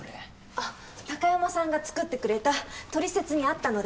あっ貴山さんが作ってくれた取説にあったので。